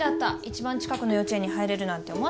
一番近くの幼稚園に入れるなんて思わなかったよ。